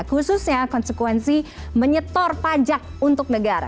khususnya konsekuensi menyetor pajak untuk negara